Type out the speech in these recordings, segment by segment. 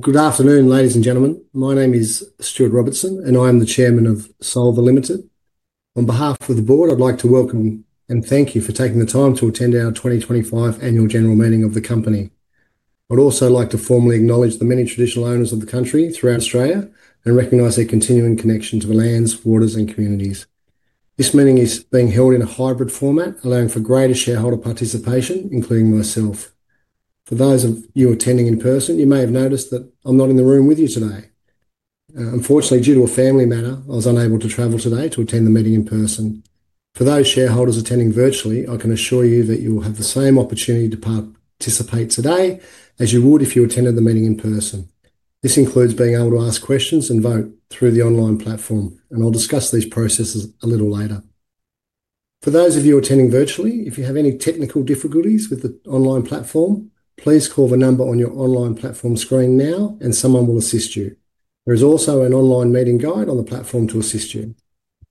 Good afternoon, ladies and gentlemen. My name is Stuart Robertson, and I am the Chairman of Solvar Limited. On behalf of the board, I'd like to welcome and thank you for taking the time to attend our 2025 Annual General Meeting of the company. I'd also like to formally acknowledge the many traditional owners of the country throughout Australia and recognize their continuing connection to the lands, waters, and communities. This meeting is being held in a hybrid format, allowing for greater shareholder participation, including myself. For those of you attending in person, you may have noticed that I'm not in the room with you today. Unfortunately, due to a family matter, I was unable to travel today to attend the meeting in person. For those shareholders attending virtually, I can assure you that you will have the same opportunity to participate today as you would if you attended the meeting in person. This includes being able to ask questions and vote through the online platform, and I'll discuss these processes a little later. For those of you attending virtually, if you have any technical difficulties with the online platform, please call the number on your online platform screen now, and someone will assist you. There is also an online meeting guide on the platform to assist you.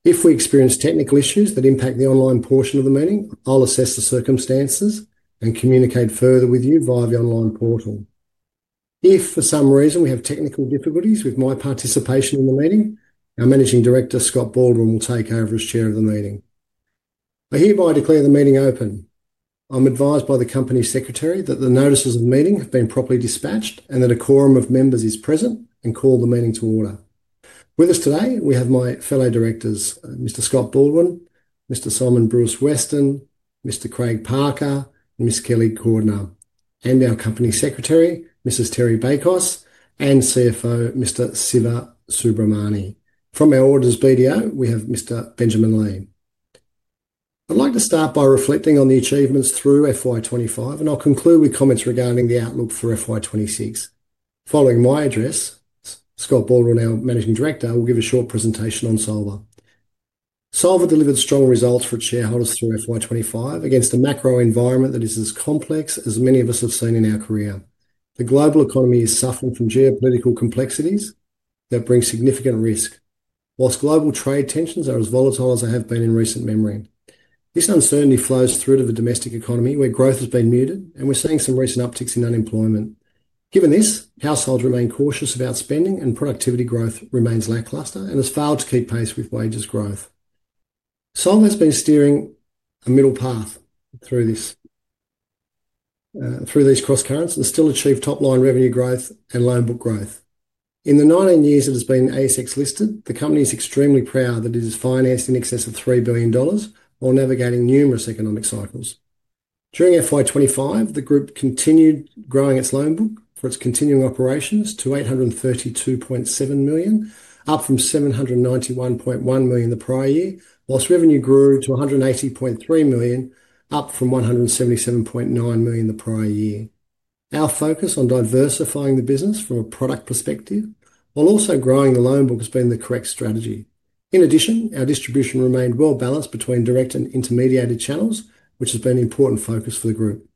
If we experience technical issues that impact the online portion of the meeting, I'll assess the circumstances and communicate further with you via the online portal. If for some reason we have technical difficulties with my participation in the meeting, our Managing Director, Scott Baldwin, will take over as Chair of the meeting. I hereby declare the meeting open. I'm advised by the Company Secretary that the notices of the meeting have been properly dispatched and that a quorum of members is present and call the meeting to order. With us today, we have my fellow directors, Mr. Scott Baldwin, Mr. Symon Brewis-Weston, Mr. Craig Parker, Ms. Kellie Cordner, and our Company Secretary, Mrs. Terri Bakos, and CFO, Mr. Siva Subramani. From our auditors BDO, we have Mr. Benjamin Lee. I'd like to start by reflecting on the achievements through FY25, and I'll conclude with comments regarding the outlook for FY26. Following my address, Scott Baldwin, our Managing Director, will give a short presentation on Solvar. Solvar delivered strong results for its shareholders through FY25 against a macro environment that is as complex as many of us have seen in our career. The global economy is suffering from geopolitical complexities that bring significant risk, whilst global trade tensions are as volatile as they have been in recent memory. This uncertainty flows through to the domestic economy, where growth has been muted, and we're seeing some recent upticks in unemployment. Given this, households remain cautious about spending, and productivity growth remains lackluster and has failed to keep pace with wages growth. Solvar has been steering a middle path through these cross currents and still achieved top-line revenue growth and loan book growth. In the 19 years it has been ASX-listed, the company is extremely proud that it has financed in excess of 3 billion dollars while navigating numerous economic cycles. During FY 2025, the group continued growing its loan book for its continuing operations to 832.7 million, up from 791.1 million the prior year, whilst revenue grew to 180.3 million, up from 177.9 million the prior year. Our focus on diversifying the business from a product perspective while also growing the loan book has been the correct strategy. In addition, our distribution remained well balanced between direct and intermediated channels, which has been an important focus for the group.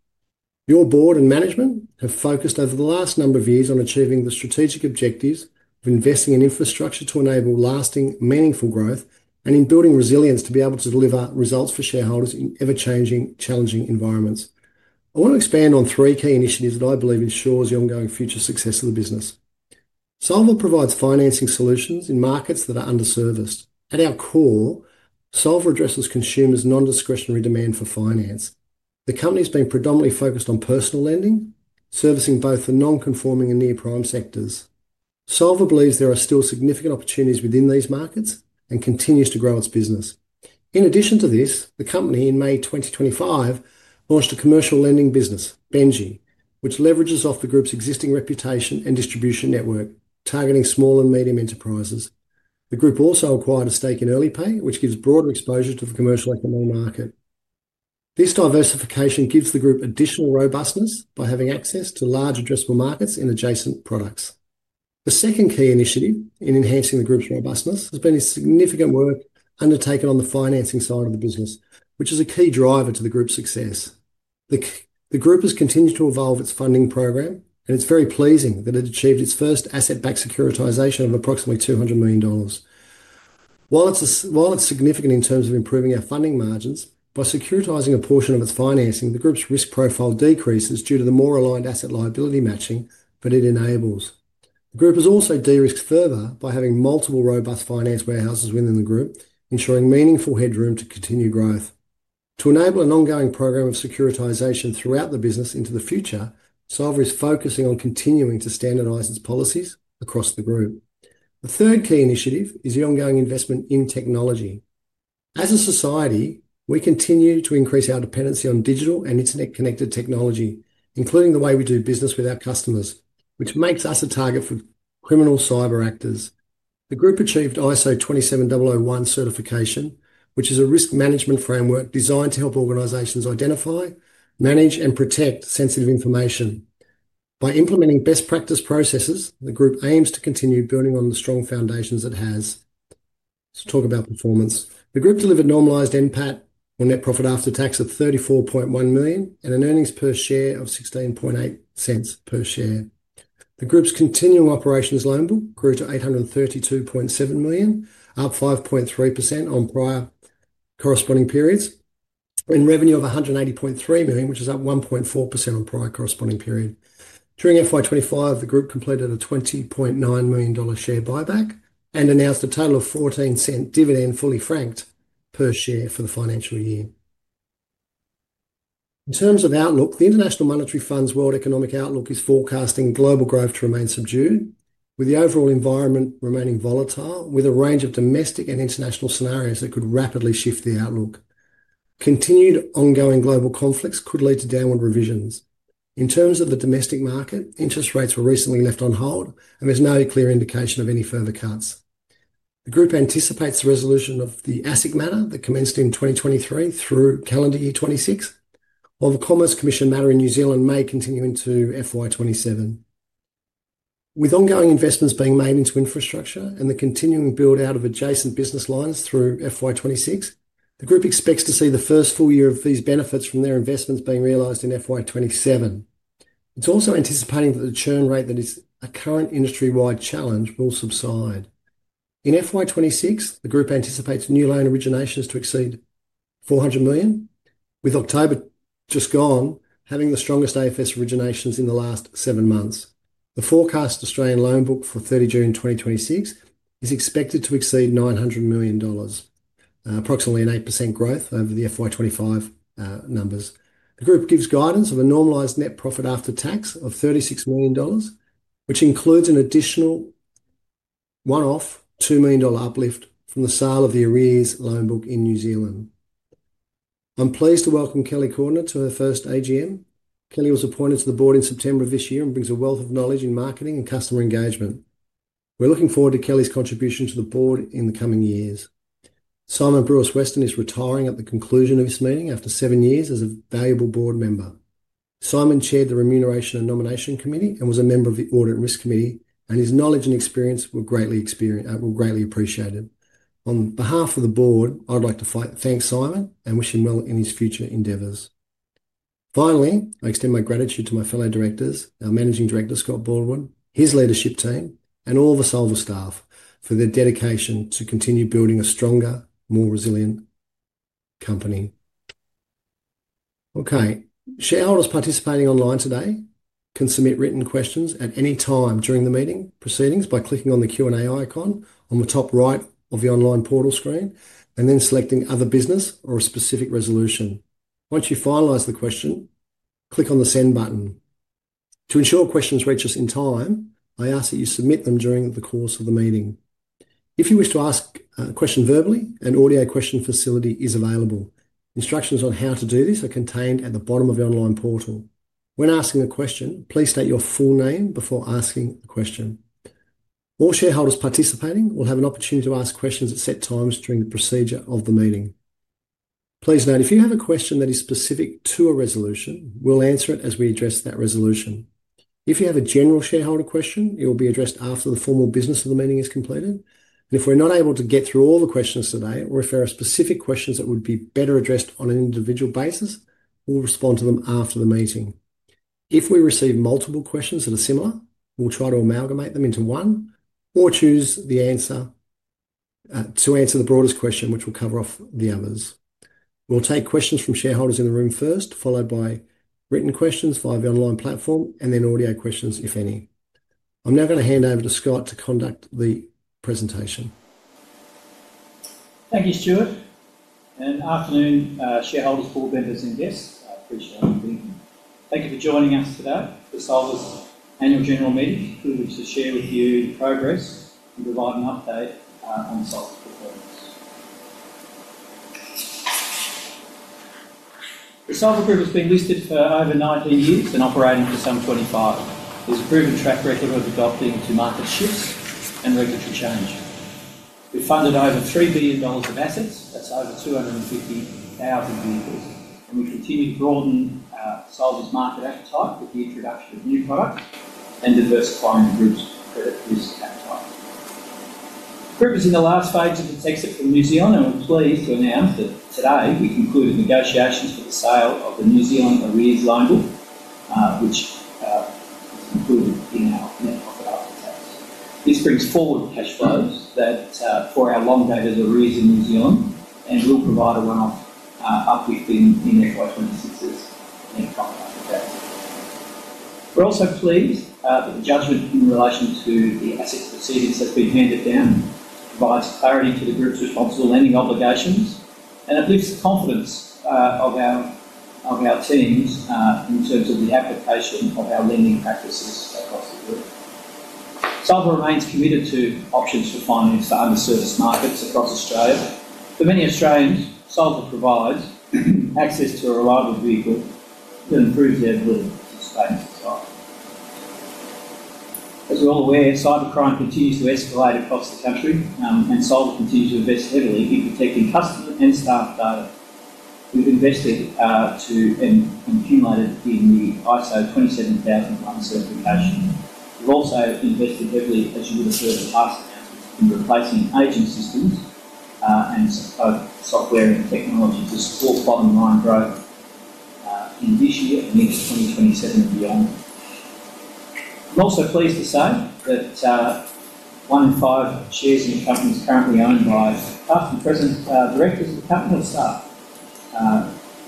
Your Board and management have focused over the last number of years on achieving the strategic objectives of investing in infrastructure to enable lasting, meaningful growth and in building resilience to be able to deliver results for shareholders in ever-changing, challenging environments. I want to expand on three key initiatives that I believe ensure the ongoing future success of the business. Solvar provides financing solutions in markets that are underserviced. At our core, Solvar addresses consumers' non-discretionary demand for finance. The company has been predominantly focused on personal lending, servicing both the non-conforming and near-prime sectors. Solvar believes there are still significant opportunities within these markets and continues to grow its business. In addition to this, the company in May 2025 launched a commercial lending business, Benji, which leverages off the group's existing reputation and distribution network, targeting small and medium enterprises. The group also acquired a stake in EarlyPay, which gives broader exposure to the commercial equity market. This diversification gives the group additional robustness by having access to large addressable markets in adjacent products. The second key initiative in enhancing the group's robustness has been the significant work undertaken on the financing side of the business, which is a key driver to the group's success. The group has continued to evolve its funding program, and it's very pleasing that it achieved its first asset-backed securitisation of approximately 200 million dollars. While it's significant in terms of improving our funding margins, by securitising a portion of its financing, the group's risk profile decreases due to the more aligned asset liability matching that it enables. The group has also de-risked further by having multiple robust finance warehouses within the group, ensuring meaningful headroom to continue growth. To enable an ongoing program of securitisation throughout the business into the future, Solvar is focusing on continuing to standardise its policies across the group. The third key initiative is the ongoing investment in technology. As a society, we continue to increase our dependency on digital and internet-connected technology, including the way we do business with our customers, which makes us a target for criminal cyber actors. The group achieved ISO 27001 certification, which is a risk management framework designed to help organizations identify, manage, and protect sensitive information. By implementing best practice processes, the group aims to continue building on the strong foundations it has. Let's talk about performance. The group delivered normalized NPAT or net profit after tax of 34.1 million and an earnings per share of 0.16 per share. The group's continuing operations loan book grew to 832.7 million, up 5.3% on prior corresponding periods, and revenue of 180.3 million, which is up 1.4% on prior corresponding period. During FY 2025, the group completed an AUD 20.9 million share buyback and announced a total of 0.14 dividend fully franked per share for the financial year. In terms of outlook, the International Monetary Fund's world economic outlook is forecasting global growth to remain subdued, with the overall environment remaining volatile, with a range of domestic and international scenarios that could rapidly shift the outlook. Continued ongoing global conflicts could lead to downward revisions. In terms of the domestic market, interest rates were recently left on hold, and there's no clear indication of any further cuts. The group anticipates the resolution of the ASIC matter that commenced in 2023 through calendar year 2026, while the Commerce Commission matter in New Zealand may continue into FY2027. With ongoing investments being made into infrastructure and the continuing build-out of adjacent business lines through FY2026, the group expects to see the first full year of these benefits from their investments being realized in FY2027. It's also anticipating that the churn rate that is a current industry-wide challenge will subside. In FY 26, the group anticipates new loan originations to exceed 400 million, with October just gone having the strongest AFS originations in the last seven months. The forecast Australian loan book for 30 June 2026 is expected to exceed 900 million dollars, approximately an 8% growth over the FY 2025 numbers. The group gives guidance of a normalised net profit after tax of AUD 36 million, which includes an additional one-off AUD 2 million uplift from the sale of the Ares loan book in New Zealand. I'm pleased to welcome Kellie Cordner to her first AGM. Kelly was appointed to the board in September of this year and brings a wealth of knowledge in marketing and customer engagement. We're looking forward to Kelly's contribution to the board in the coming years. Symon Brewis-Weston is retiring at the conclusion of this meeting after seven years as a valuable board member. Simon chaired the Remuneration and Nomination Committee and was a member of the Audit and Risk Committee, and his knowledge and experience were greatly appreciated. On behalf of the board, I'd like to thank Simon and wish him well in his future endeavours. Finally, I extend my gratitude to my fellow directors, our Managing Director, Scott Baldwin, his leadership team, and all the Solvar staff for their dedication to continue building a stronger, more resilient company. Okay, shareholders participating online today can submit written questions at any time during the meeting proceedings by clicking on the Q&A icon on the top right of the online portal screen and then selecting Other Business or a specific resolution. Once you finalise the question, click on the Send button. To ensure questions reach us in time, I ask that you submit them during the course of the meeting. If you wish to ask a question verbally, an audio question facility is available. Instructions on how to do this are contained at the bottom of the online portal. When asking a question, please state your full name before asking a question. All shareholders participating will have an opportunity to ask questions at set times during the procedure of the meeting. Please note, if you have a question that is specific to a resolution, we'll answer it as we address that resolution. If you have a general shareholder question, it will be addressed after the formal business of the meeting is completed. If we're not able to get through all the questions today or if there are specific questions that would be better addressed on an individual basis, we'll respond to them after the meeting. If we receive multiple questions that are similar, we'll try to amalgamate them into one or choose the answer to answer the broadest question, which will cover off the others. We'll take questions from shareholders in the room first, followed by written questions via the online platform, and then audio questions if any. I'm now going to hand over to Scott to conduct the presentation. Thank you, Stuart. Afternoon, shareholders, board members, and guests. I appreciate you being here. Thank you for joining us today for Solvar's Annual General Meeting, which is to share with you the progress and provide an update on Solvar's performance. The Solvar Group has been listed for over 19 years and operating through summer 2025. There is a proven track record of adapting to market shifts and regulatory change. We have funded over 3 billion dollars of assets. That is over 250,000 vehicles. We continue to broaden Solvar's market appetite with the introduction of new products and diversifying the group's credit risk appetite. The group is in the last phase of its exit from New Zealand, and we are pleased to announce that today we concluded negotiations for the sale of the New Zealand Ares loan book, which is included in our net profit after tax. This brings forward cash flows for our long-dated Ares in New Zealand and will provide a one-off uplift in FY26's net profit after tax. We're also pleased that the judgment in relation to the assets proceedings has been handed down, provides clarity to the group's responsible lending obligations, and it lifts the confidence of our teams in terms of the application of our lending practices across the group. Solvar remains committed to options for finance to underserviced markets across Australia. For many Australians, Solvar provides access to a reliable vehicle that improves their ability to sustain themselves. As we're all aware, cyber crime continues to escalate across the country, and Solvar continues to invest heavily in protecting customer and staff data. We've invested and accumulated in the ISO 27001 certification. We've also invested heavily, as you would have heard of us, in replacing agent systems and software and technology to support bottom-line growth in this year, next 2027, and beyond. I'm also pleased to say that one in five shares in the company is currently owned by past and present directors of the company or staff,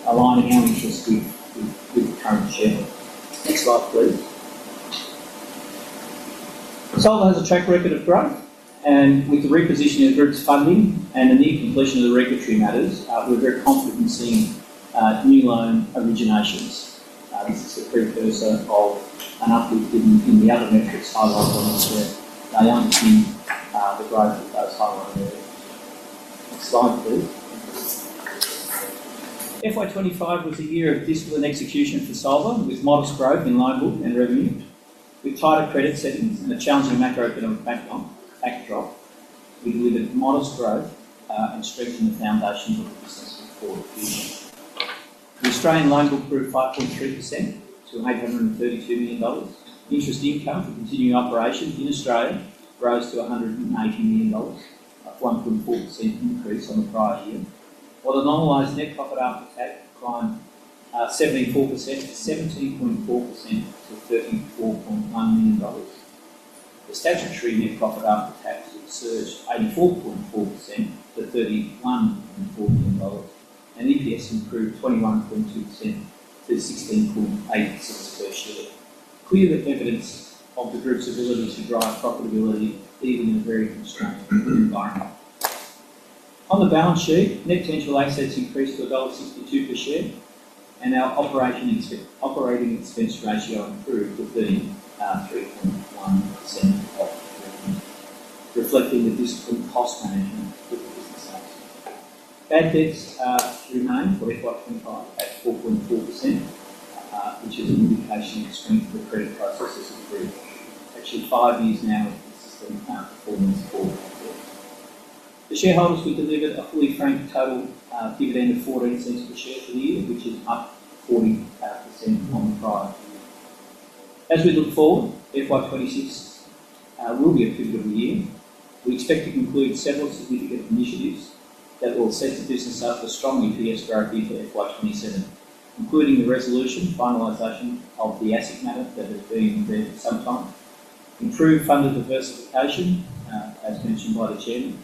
aligning our interests with the current share. Next slide, please. Solvar has a track record of growth, and with the repositioning of the group's funding and the near completion of the regulatory matters, we're very confident in seeing new loan originations. This is the precursor of an uplift in the other metrics highlighted on the screen. They aren't seeing the growth that those highlighted earlier. Next slide, please. FY25 was a year of discipline execution for Solvar with modest growth in loan book and revenue. With tighter credit settings and a challenging macroeconomic backdrop, we delivered modest growth and strengthened the foundation of the business for the future. The Australian loan book grew 5.3% to 832 million dollars. Interest income from continuing operations in Australia rose to 180 million dollars, a 1.4% increase on the prior year. While the normalised net profit after tax declined 74% to AUD 17.4 million, the statutory net profit after tax has surged 84.4% to AUD 31.4 million, and EPS improved 21.2% to 16.86 per share. Clear evidence of the group's ability to drive profitability, even in a very constrained environment. On the balance sheet, net potential assets increased to dollar 1.62 per share, and our operating expense ratio improved to 3.1%, reflecting the discipline cost management with the business. Bad debts through May for FY 2025 at 4.4%, which is an indication of strength of the credit processes of the group. Actually, five years now of consistent performance for the group. The shareholders have delivered a fully franked total dividend of 0.14 per share for the year, which is up 40% on the prior year. As we look forward, FY2026 will be a pivotal year. We expect to conclude several significant initiatives that will set the business up for strong EPS growth into FY2027, including the resolution and finalization of the ASIC matter that has been there for some time, improved funder diversification, as mentioned by the Chairman,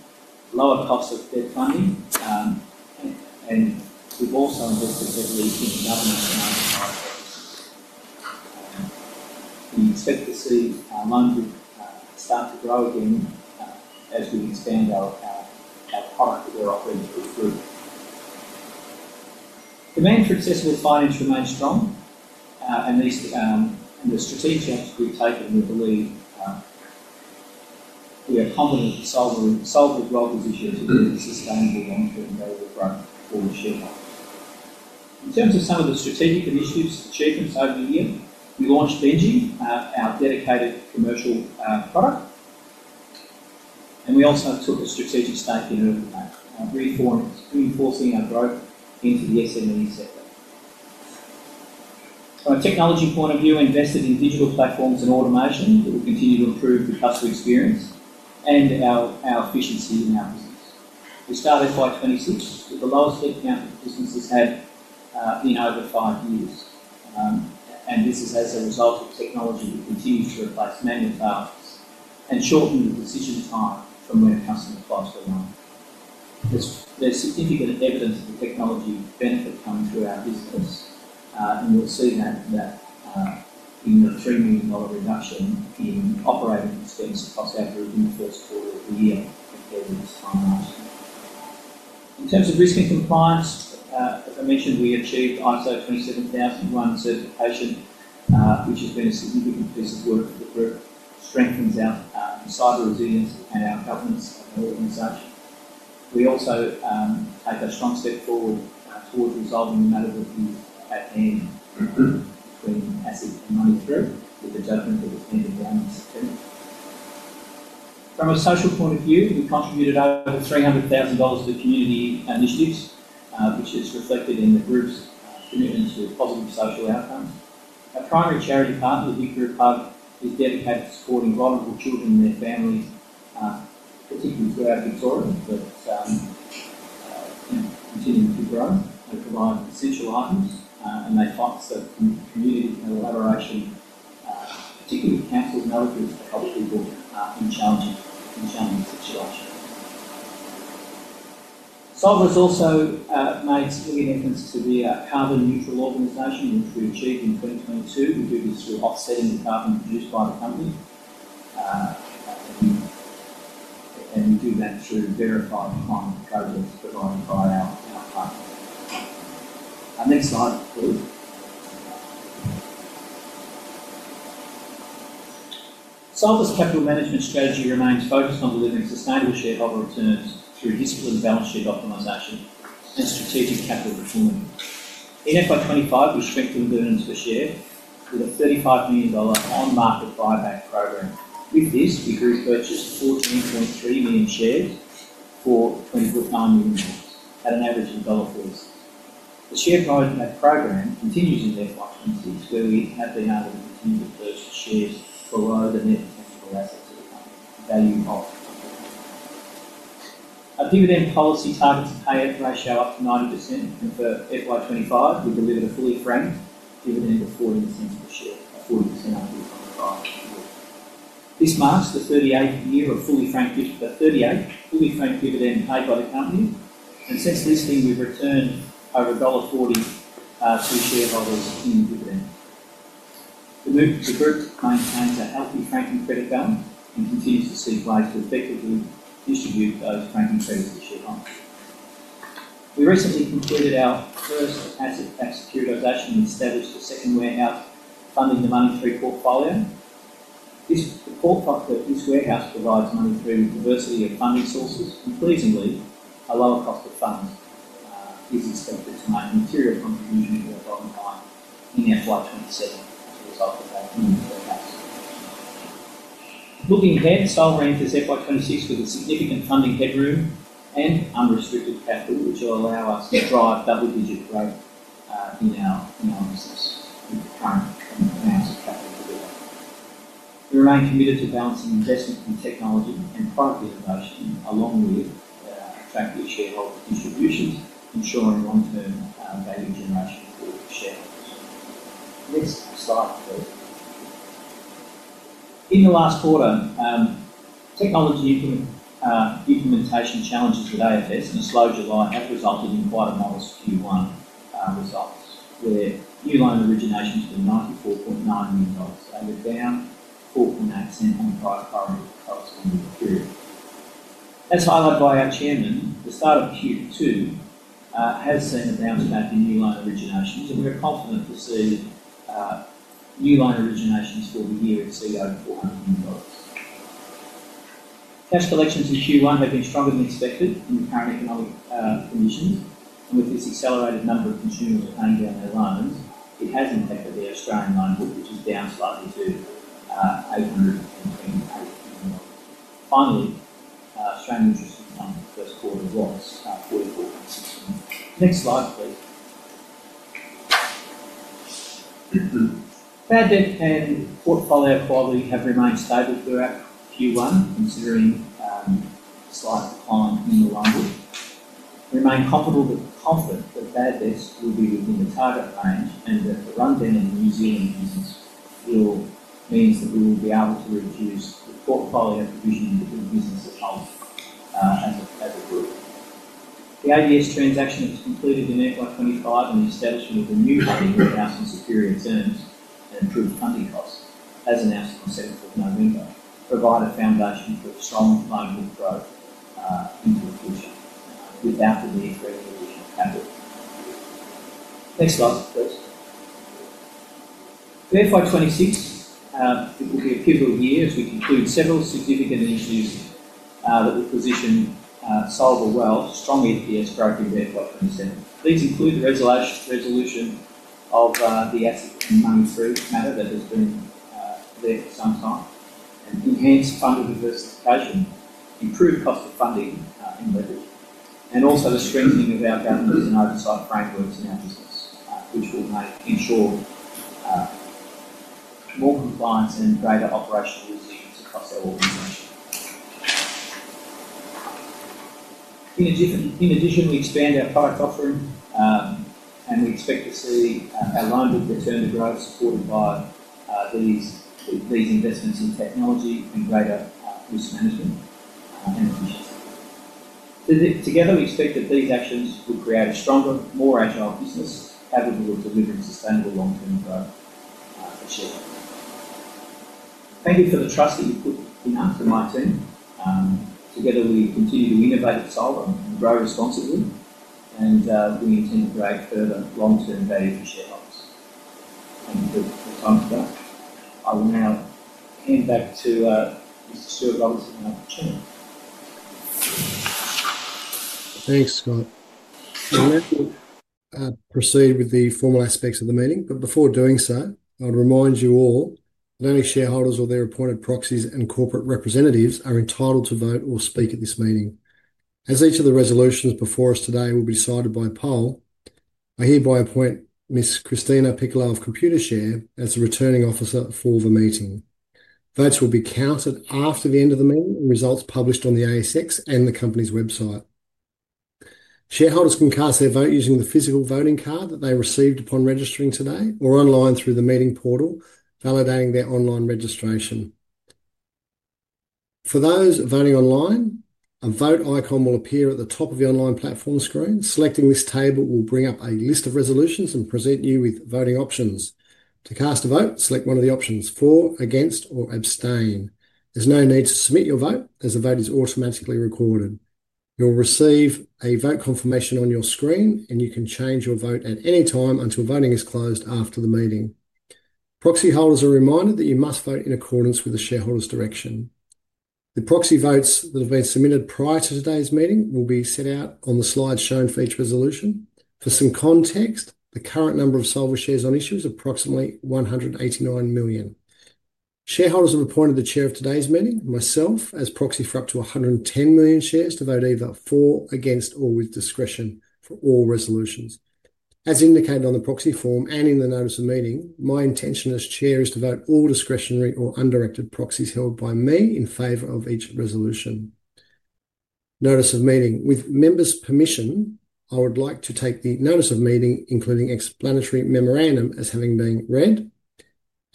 lower costs of debt funding, and we've also invested heavily in government finance. We expect to see loan book start to grow again as we expand our product that we're operating through the group. Demand for accessible finance remains strong, and the strategic actions we've taken, we believe we are confident Solvar has well positioned to deliver sustainable long-term global growth for the shareholders. In terms of some of the strategic initiatives achieved in the over the year, we launched Benji, our dedicated commercial product, and we also took a strategic stake in it at the back, reinforcing our growth into the SME sector. From a technology point of view, we invested in digital platforms and automation that will continue to improve the customer experience and our efficiency in our business. We started FY26 with the lowest headcount our business has had in over five years, and this is as a result of technology that continues to replace manual filings and shorten the decision time from when a customer files for a loan. There's significant evidence of the technology benefit coming through our business, and we'll see that in the 3 million dollar reduction in operating expense across our group in the first quarter of the year compared with this time last year. In terms of risk and compliance, as I mentioned, we achieved ISO 27001 certification, which has been a significant piece of work for the group, strengthens our cyber resilience and our governance and organization. We also take a strong step forward towards resolving the matter that we had handed between ASIC and Money3 with the judgment that was handed down in September. From a social point of view, we contributed over 300,000 dollars to community initiatives, which is reflected in the group's commitment to positive social outcomes. Our primary charity partner, the Big Group Hub, is dedicated to supporting vulnerable children and their families, particularly throughout Victoria, that are continuing to grow and provide essential items, and they foster community collaboration, particularly with councils and elders for helping people in challenging situations. Solvar has also made significant efforts to be a carbon-neutral organization, which we achieved in 2022. We do this through offsetting the carbon produced by the company, and we do that through verified climate credits provided by our partners. Next slide, please. Solvar's capital management strategy remains focused on delivering sustainable shareholder returns through disciplined balance sheet optimization and strategic capital reform. In FY25, we strengthened dividends per share with a 35 million dollar on-market buyback program. With this, the group purchased 14.3 million shares for 20.9 million at an average of AUD 1.40. The share growth program continues in FY 2026, where we have been able to continue to purchase shares below the net potential assets of the company, valued off. Our dividend policy targets a payout ratio up to 90%. For FY25, we delivered a fully franked dividend of 0.40 per share, a 40% after 2025. This marks the 38th year of fully franked dividend paid by the company, and since listing, we've returned over dollar 1.40 to shareholders in dividends. The group maintains a healthy franking credit balance and continues to seek ways to effectively distribute those franking credits to shareholders. We recently completed our first asset-backed securitisation and established a second warehouse funding the Money3 portfolio. The core fact that this warehouse provides Money3 with diversity of funding sources, and pleasingly, a lower cost of funds is expected to make material contributions to our bottom line in FY 2027 as a result of our Money3 warehouse. Looking ahead, Solvar enters FY 2026 with significant funding headroom and unrestricted capital, which will allow us to drive double-digit growth in our business with the current amounts of capital that we have. We remain committed to balancing investment in technology and product innovation along with attractive shareholder distributions, ensuring long-term value generation for shareholders. Next slide, please. In the last quarter, technology implementation challenges at AFS and a slow July have resulted in quite a modest Q1 result, where new loan originations were 94.9 million dollars, down 4.8% on the prior corresponding year period. As highlighted by our Chairman, the start of Q2 has seen a bounce back in new loan originations, and we're confident to see new loan originations for the year exceed over 400 million dollars. Cash collections in Q1 have been stronger than expected in the current economic conditions, and with this accelerated number of consumers paying down their loans, it has impacted the Australian loan book, which is down slightly to 828 million. Finally, Australian interest income in the first quarter was 44.6 million. Next slide, please. Bad debt and portfolio quality have remained stable throughout Q1, considering a slight decline in the loan book. We remain confident that bad debts will be within the target range and that the rundown in the New Zealand business means that we will be able to reduce the portfolio provisioning between businesses as a group. Ares loan book transaction has completed in FY 2025 and the establishment of a new funding warehouse on superior terms and improved funding costs, as announced on 7th of November, provide a foundation for strong loan book growth into the future without the need for any additional capital. Next slide, please. For FY 2026, it will be a pivotal year as we conclude several significant initiatives that will position Solvar well to strong EPS growth in FY 2027. These include the resolution of the ASIC and Money3 matter that has been there for some time, enhanced funder diversification, improved cost of funding and leverage, and also the strengthening of our governance and oversight frameworks in our business, which will ensure more compliance and greater operational resilience across our organization. In addition, we expand our product offering, and we expect to see our loan book return to growth supported by these investments in technology and greater risk management and efficiency. Together, we expect that these actions will create a stronger, more agile business capable of delivering sustainable long-term growth for shareholders. Thank you for the trust that you've put in us and my team. Together, we continue to innovate at Solvar and grow responsibly, and we intend to create further long-term value for shareholders. Thank you for your time today. I will now hand back to Mr. Stuart Robertson and our Chairman. Thanks, Scott. I'll now proceed with the formal aspects of the meeting, but before doing so, I'll remind you all that only shareholders or their appointed proxies and corporate representatives are entitled to vote or speak at this meeting. As each of the resolutions before us today will be decided by poll, I hereby appoint Ms. Christina Piccolo of Computershare as the returning officer for the meeting. Votes will be counted after the end of the meeting and results published on the ASX and the company's website. Shareholders can cast their vote using the physical voting card that they received upon registering today or online through the meeting portal, validating their online registration. For those voting online, a vote icon will appear at the top of the online platform screen. Selecting this tab will bring up a list of resolutions and present you with voting options. To cast a vote, select one of the options: for, against, or abstain. There's no need to submit your vote as the vote is automatically recorded. You'll receive a vote confirmation on your screen, and you can change your vote at any time until voting is closed after the meeting. Proxy holders are reminded that you must vote in accordance with the shareholders' direction. The proxy votes that have been submitted prior to today's meeting will be set out on the slides shown for each resolution. For some context, the current number of Solvar shares on issue is approximately 189 million. Shareholders have appointed the chair of today's meeting, myself, as proxy for up to 110 million shares to vote either for, against, or with discretion for all resolutions. As indicated on the proxy form and in the notice of meeting, my intention as chair is to vote all discretionary or undirected proxies held by me in favor of each resolution. Notice of meeting. With members' permission, I would like to take the notice of meeting, including explanatory memorandum, as having been read.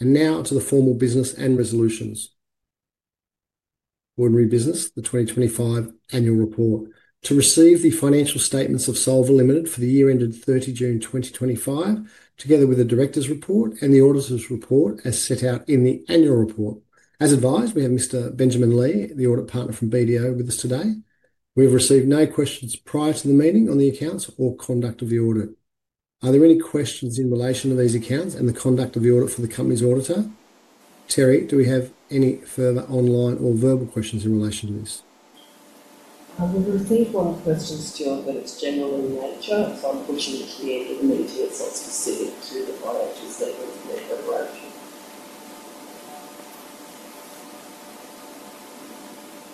Now to the formal business and resolutions. Ordinary business, the 2025 annual report. To receive the financial statements of Solvar Limited for the year ended 30 June 2025, together with the director's report and the auditor's report as set out in the annual report. As advised, we have Mr. Benjamin Lee, the audit partner from BDO, with us today. We have received no questions prior to the meeting on the accounts or conduct of the audit. Are there any questions in relation to these accounts and the conduct of the audit for the company's auditor? Terri, do we have any further online or verbal questions in relation to this? We've received one question, Stuart, but it's general in nature, so I'm pushing it to the end of the meeting to get something specific to the financial statements and their overarching.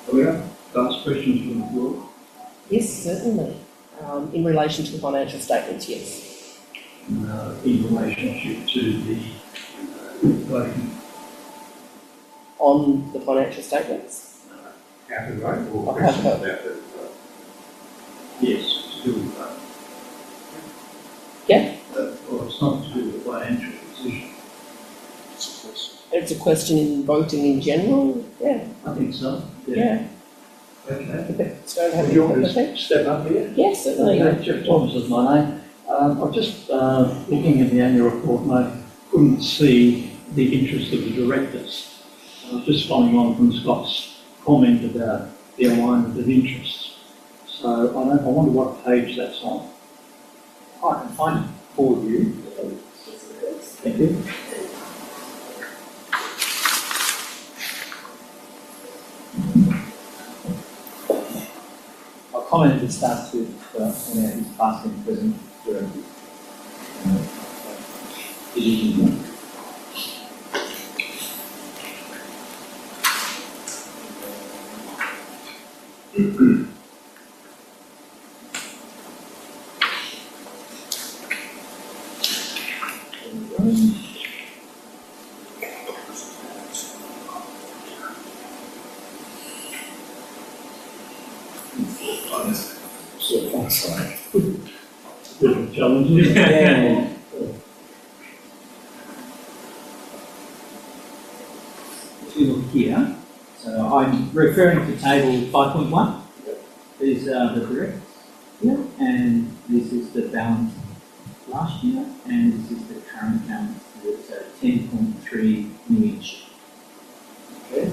Are we up? Last question from the floor? Yes, certainly. In relation to the financial statements, yes. In relationship to the voting? On the financial statements? How to vote or questions about the vote? Yes, to do with the vote. Yeah. Or it's not to do with the financial decision? It's a question. It's a question in voting in general, yeah. I think so, yeah. Stuart Robertson, step up here. Yes, certainly. Jeff Thomas is my name. I'm just looking at the annual report, and I couldn't see the interest of the directors. I'm just following on from Scott's comment about the alignment of interests. So I wonder what page that's on. I can find it for you. Thank you. I'll comment at the start too on how he's passed in present durability. If you look here, so I'm referring to table 5.1. These are the directors. And this is the balance last year, and this is the current balance, so 10.3 million. Okay.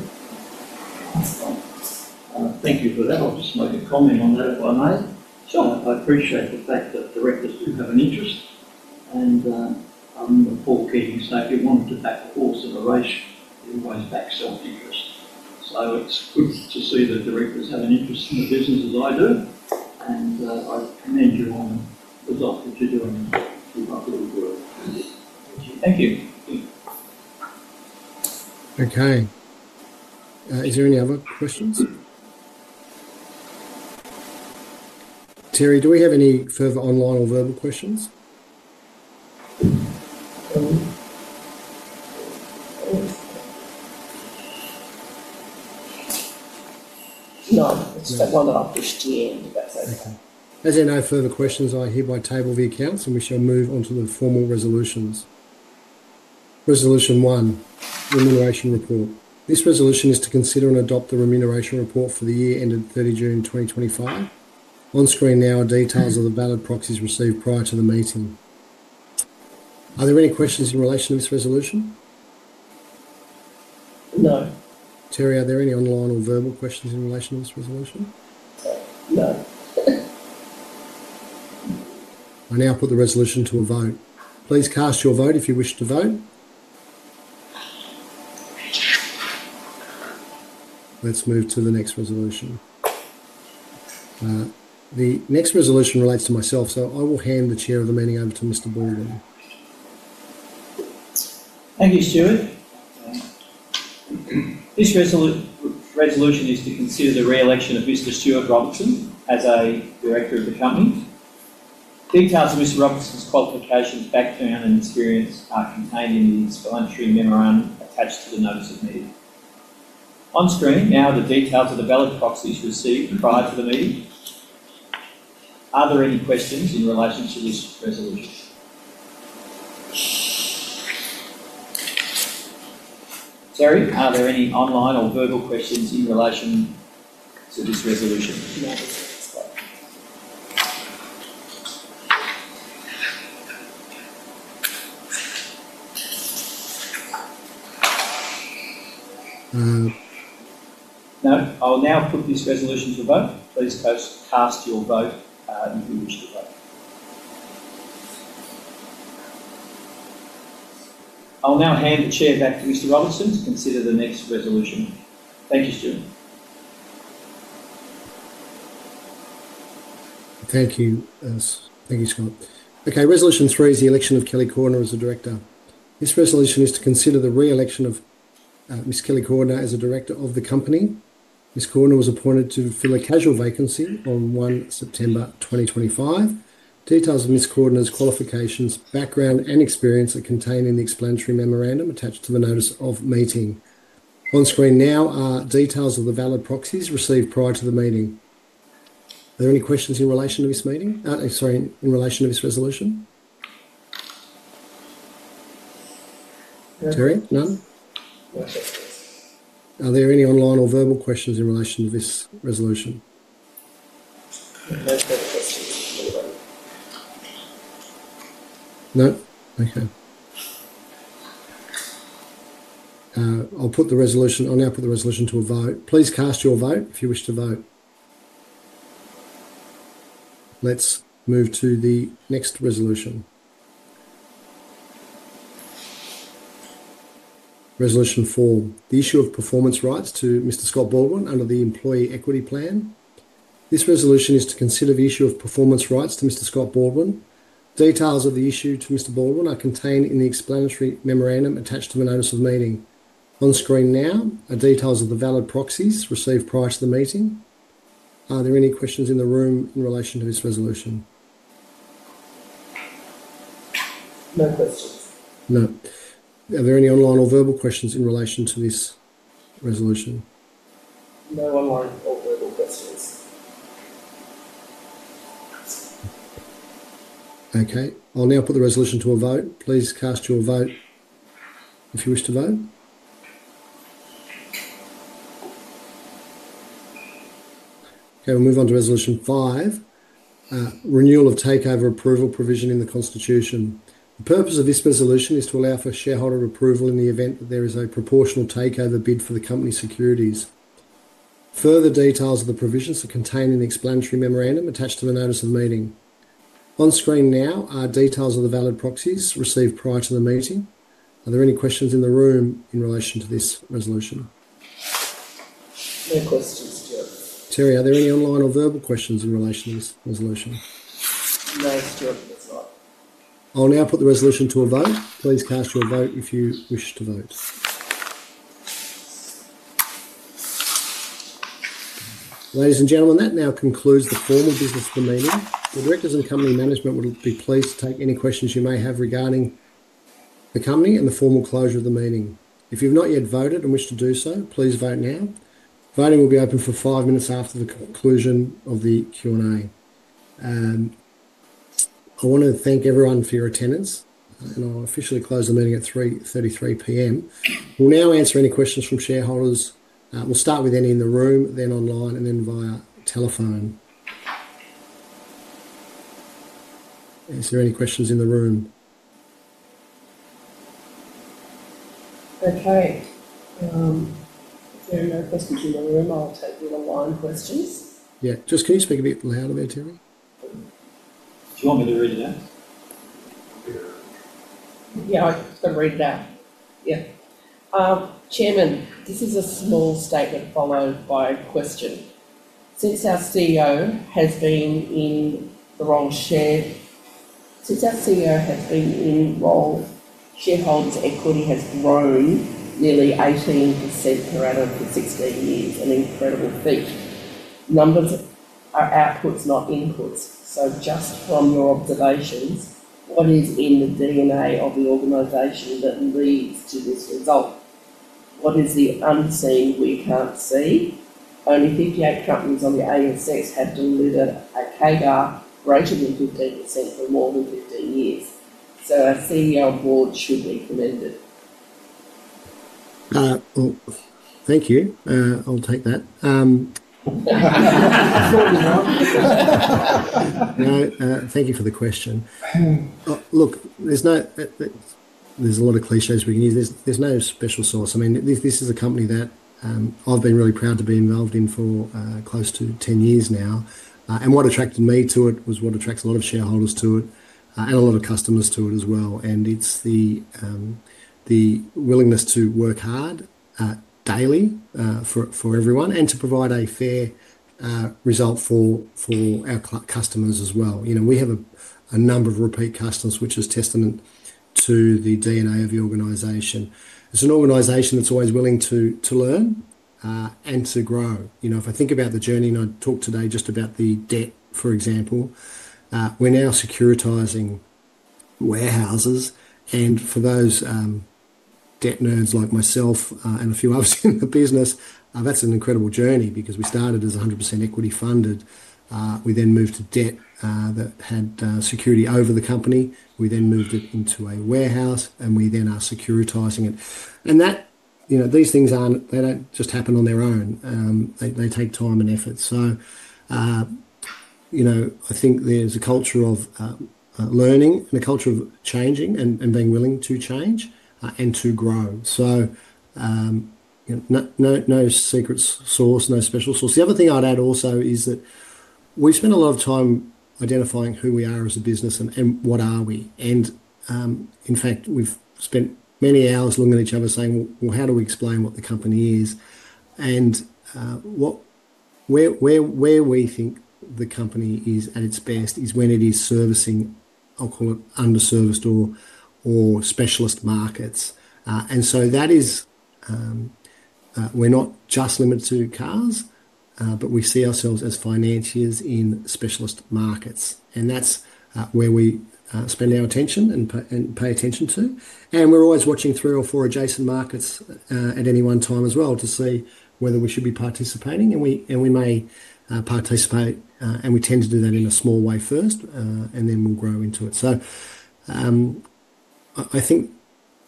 Thank you for that. I'll just make a comment on that, if I may. Sure. I appreciate the fact that directors do have an interest, and I'm the poor keeping safe. You wanted to back the horse in a race, you always back self-interest. So it's good to see that directors have an interest in the business as I do, and I commend you on the result that you're doing in the public work. Thank you. Okay. Is there any other questions? Terri, do we have any further online or verbal questions? No. It's that one that I pushed you in, but that's okay. As there are no further questions, I hereby table the accounts, and we shall move on to the formal resolutions. Resolution one, remuneration report. This resolution is to consider and adopt the remuneration report for the year ended 30 June 2025. On screen now are details of the valid proxies received prior to the meeting. Are there any questions in relation to this resolution? No. Terri, are there any online or verbal questions in relation to this resolution? No. I now put the resolution to a vote. Please cast your vote if you wish to vote. Let's move to the next resolution. The next resolution relates to myself, so I will hand the chair of the meeting over to Mr. Baldwin. Thank you, Stuart. This resolution is to consider the re-election of Mr. Stuart Robertson as a director of the company. Details of Mr. Robertson's qualifications, background, and experience are contained in the explanatory memorandum attached to the notice of meeting. On screen now are the details of the valid proxies received prior to the meeting. Are there any questions in relation to this resolution? Terri, are there any online or verbal questions in relation to this resolution? No. No. I'll now put this resolution to a vote. Please cast your vote if you wish to vote. I'll now hand the chair back to Mr. Robertson to consider the next resolution. Thank you, Stuart. Thank you, Scott. Okay. Resolution three is the election of Kellie Cordner as a director. This resolution is to consider the re-election of Ms. Kellie Cordner as a director of the company. Ms. Cordner was appointed to fill a casual vacancy on 1 September 2025. Details of Ms. Cordner qualifications, background, and experience are contained in the explanatory memorandum attached to the notice of meeting. On screen now are details of the valid proxies received prior to the meeting. Are there any questions in relation to this meeting? Sorry, in relation to this resolution? Terri, none? No. Are there any online or verbal questions in relation to this resolution? No further questions. No. No? Okay. I'll now put the resolution to a vote. Please cast your vote if you wish to vote. Let's move to the next resolution. Resolution four, the issue of performance rights to Mr. Scott Baldwin under the Employee Equity Plan. This resolution is to consider the issue of performance rights to Mr. Scott Baldwin. Details of the issue to Mr. Baldwin are contained in the explanatory memorandum attached to the notice of meeting. On screen now are details of the valid proxies received prior to the meeting. Are there any questions in the room in relation to this resolution? No questions. No. Are there any online or verbal questions in relation to this resolution? No online or verbal questions. Okay. I'll now put the resolution to a vote. Please cast your vote if you wish to vote. Okay. We'll move on to Resolution 5, renewal of takeover approval provision in the constitution. The purpose of this resolution is to allow for shareholder approval in the event that there is a proportional takeover bid for the company's securities. Further details of the provisions are contained in the explanatory memorandum attached to the notice of meeting. On screen now are details of the valid proxies received prior to the meeting. Are there any questions in the room in relation to this resolution? No questions, Stuart. Terri, are there any online or verbal questions in relation to this resolution? No, Stuart, there's not. I'll now put the resolution to a vote. Please cast your vote if you wish to vote. Ladies and gentlemen, that now concludes the formal business of the meeting. The directors and company management will be pleased to take any questions you may have regarding the company and the formal closure of the meeting. If you've not yet voted and wish to do so, please vote now. Voting will be open for five minutes after the conclusion of the Q&A. I want to thank everyone for your attendance, and I'll officially close the meeting at 3:33 P.M. We'll now answer any questions from shareholders. We'll start with any in the room, then online, and then via telephone. Is there any questions in the room? Okay. If there are no questions in the room, I'll take the online questions. Yeah. Just can you speak a bit louder there, Terri? Do you want me to read it out? Yeah, I can read it out. Yeah. Chairman, this is a small statement followed by a question. Since our CEO has been in the role, since our CEO has been in role, shareholders' equity has grown nearly 18% throughout over 16 years, an incredible feat. Numbers are outputs, not inputs. So just from your observations, what is in the DNA of the organization that leads to this result? What is the unseen we can't see? Only 58 companies on the ASX have delivered a CAGR greater than 15% for more than 15 years. So a CEO board should be commended. Thank you. I'll take that. No, thank you for the question. Look, there's a lot of clichés we can use. There's no special sauce. I mean, this is a company that I've been really proud to be involved in for close to 10 years now. What attracted me to it was what attracts a lot of shareholders to it and a lot of customers to it as well. It's the willingness to work hard daily for everyone and to provide a fair result for our customers as well. We have a number of repeat customers, which is testament to the DNA of the organization. It's an organization that's always willing to learn and to grow. If I think about the journey and I talk today just about the debt, for example, we're now securitizing warehouses. For those debt nerds like myself and a few others in the business, that's an incredible journey because we started as 100% equity funded. We then moved to debt that had security over the company. We then moved it into a warehouse, and we then are securitising it. These things, they do not just happen on their own. They take time and effort. I think there is a culture of learning and a culture of changing and being willing to change and to grow. No secret sauce, no special sauce. The other thing I would add also is that we spend a lot of time identifying who we are as a business and what are we. In fact, we've spent many hours looking at each other saying, "Well, how do we explain what the company is?" Where we think the company is at its best is when it is servicing, I'll call it underserviced or specialist markets. That is, we're not just limited to cars, but we see ourselves as financiers in specialist markets. That's where we spend our attention and pay attention to. We're always watching three or four adjacent markets at any one time as well to see whether we should be participating. We may participate, and we tend to do that in a small way first, and then we'll grow into it. I think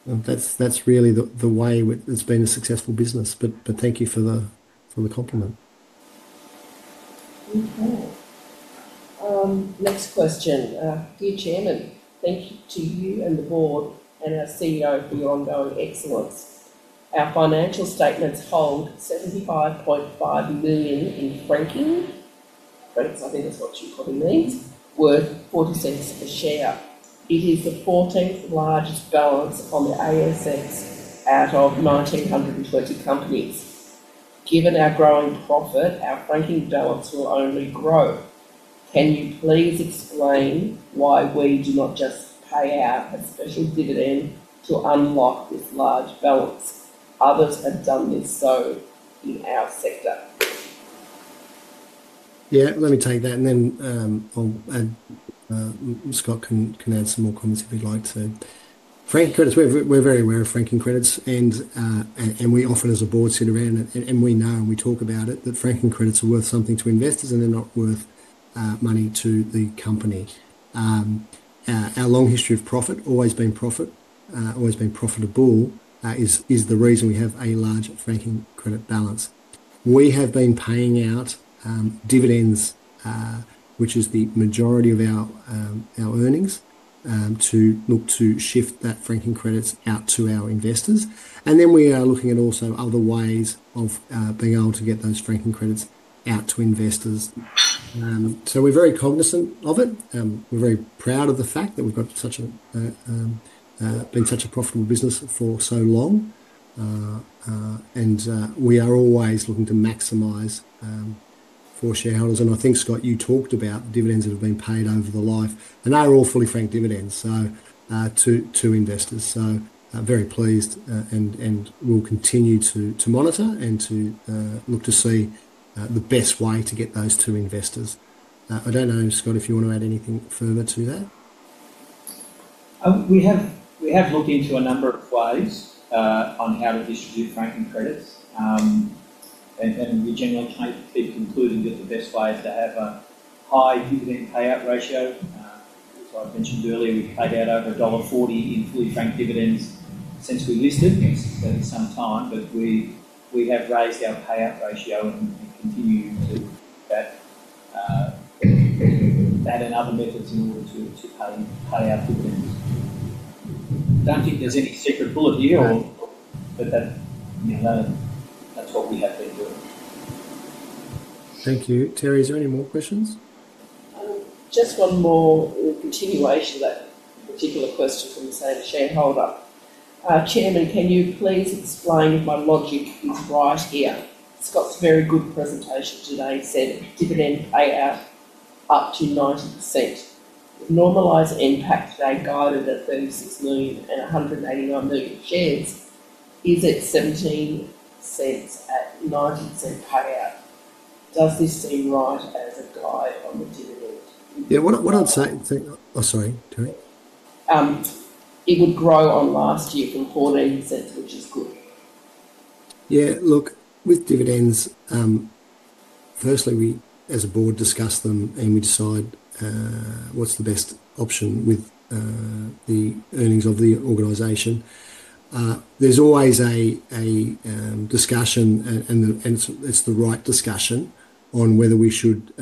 that's really the way it's been a successful business. Thank you for the compliment. Okay. Next question. Dear Chairman, thank you to you and the board and our CEO for your ongoing excellence. Our financial statements hold 75.5 million in franking—franks, I think that's what you probably mean—worth 0.40 per share. It is the 14th largest balance on the ASX out of 1,920 companies. Given our growing profit, our franking balance will only grow. Can you please explain why we do not just pay out a special dividend to unlock this large balance? Others have done this in our sector. Yeah. Let me take that. And then Scott can add some more comments if he'd like to. Franking credits, we're very aware of franking credits. And we often, as a board, sit around and we know and we talk about it, that franking credits are worth something to investors and they're not worth money to the company. Our long history of profit, always been profit, always been profitable, is the reason we have a large franking credit balance. We have been paying out dividends, which is the majority of our earnings, to look to shift that franking credits out to our investors. We are looking at also other ways of being able to get those franking credits out to investors. We are very cognizant of it. We are very proud of the fact that we have been such a profitable business for so long. We are always looking to maximize for shareholders. I think, Scott, you talked about dividends that have been paid over the life. They are all fully franked dividends, to investors. Very pleased and will continue to monitor and to look to see the best way to get those to investors. I don't know, Scott, if you want to add anything further to that. We have looked into a number of ways on how to distribute franking credits. And we generally keep concluding that the best way is to have a high dividend payout ratio. As I've mentioned earlier, we've paid out over dollar 1.40 in fully franked dividends since we listed. It's been some time, but we have raised our payout ratio and continue to do that and other methods in order to pay out dividends. I don't think there's any secret bullet here or that that's what we have been doing. Thank you. Terri, is there any more questions? Just one more continuation of that particular question from the same shareholder. Chairman, can you please explain if my logic is right here? Scott's very good presentation today said dividend payout up to 90%. With normalised impact, they guided at 36 million and 189 million shares. Is it 0.17 at 90% payout? Does this seem right as a guide on the dividend? Yeah. What did I say? Oh, sorry, Terri. It would grow on last year from 0.14, which is good. Yeah. Look, with dividends, firstly, we as a board discuss them and we decide what's the best option with the earnings of the organisation. There's always a discussion, and it's the right discussion on whether we should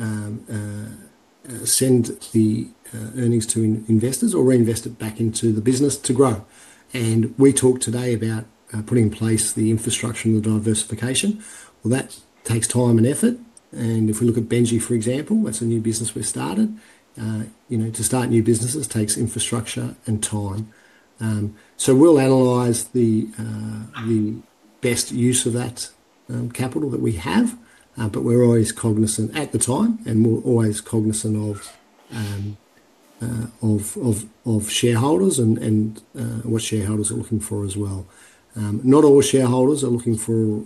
send the earnings to investors or reinvest it back into the business to grow. We talked today about putting in place the infrastructure and the diversification. That takes time and effort. If we look at Benji, for example, that's a new business we started. To start new businesses takes infrastructure and time. We'll analyse the best use of that capital that we have. We're always cognizant at the time, and we're always cognizant of shareholders and what shareholders are looking for as well. Not all shareholders are looking for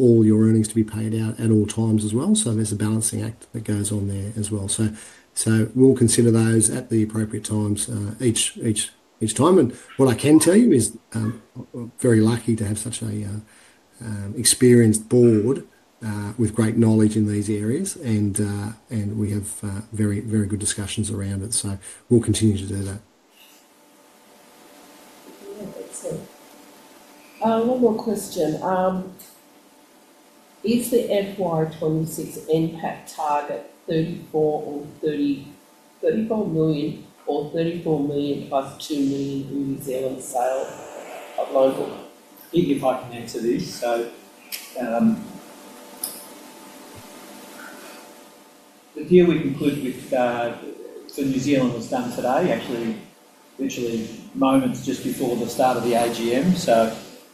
all your earnings to be paid out at all times as well. There's a balancing act that goes on there as well. We'll consider those at the appropriate times each time. What I can tell you is we're very lucky to have such an experienced board with great knowledge in these areas. We have very good discussions around it. We'll continue to do that. Yeah. Excellent. One more question. Is the FY26 impact target 34 million or 34 million+AUD 2 million in New Zealand sales of local? If I can answer this. The deal we concluded with New Zealand was done today, actually literally moments just before the start of the AGM.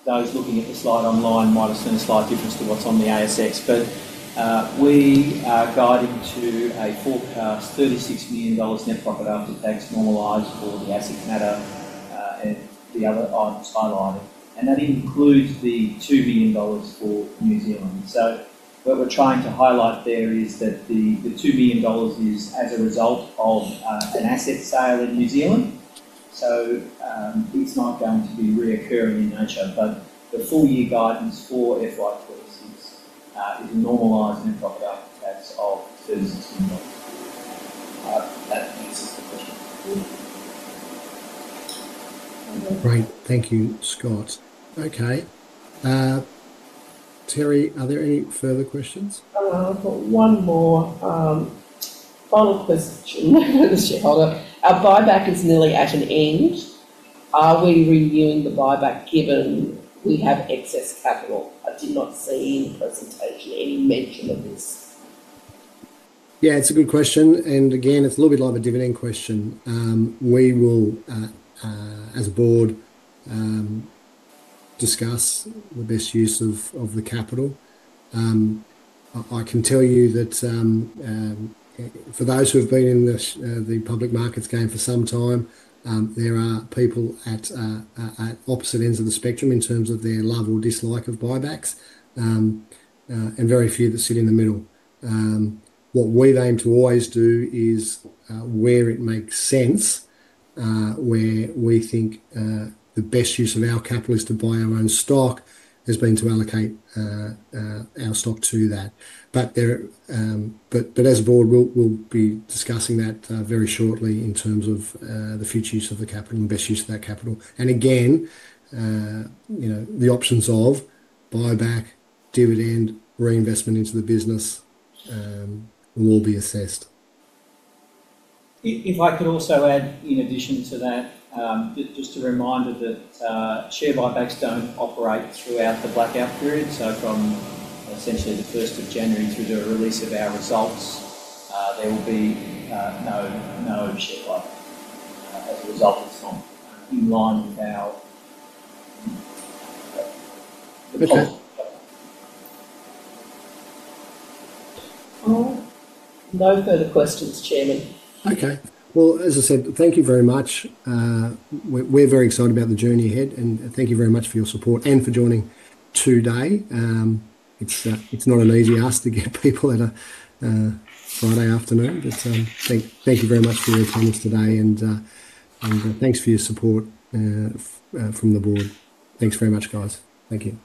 Those looking at the slide online might have seen a slight difference to what's on the ASX. We are guiding to a forecast 36 million dollars net profit after tax normalised for the asset matter and the other items highlighted. That includes the 2 million dollars for New Zealand. What we're trying to highlight there is that the 2 million dollars is as a result of an asset sale in New Zealand. It is not going to be reoccurring in nature. The full year guidance for FY 2026 is a normalised net profit after tax of AUD 36 million. That answers the question. Great. Thank you, Scott. Okay. Terri, are there any further questions? I've got one more final question. Our buyback is nearly at an end. Are we renewing the buyback given we have excess capital? I did not see in the presentation any mention of this. Yeah. It's a good question. It's a little bit like the dividend question. We will, as a board, discuss the best use of the capital. I can tell you that for those who have been in the public markets game for some time, there are people at opposite ends of the spectrum in terms of their love or dislike of buybacks, and very few that sit in the middle. What we've aimed to always do is where it makes sense, where we think the best use of our capital is to buy our own stock, has been to allocate our stock to that. As a board, we'll be discussing that very shortly in terms of the future use of the capital and best use of that capital. Again, the options of buyback, dividend, reinvestment into the business will all be assessed. If I could also add, in addition to that, just a reminder that share buybacks do not operate throughout the blackout period. From essentially the 1st of January through the release of our results, there will be no share buyback as a result. It is not in line with our goal. No further questions, Chairman. Thank you very much. We are very excited about the journey ahead. Thank you very much for your support and for joining today. It is not an easy ask to get people at a Friday afternoon. Thank you very much for your attendance today. Thanks for your support from the board. Thanks very much, guys. Thank you.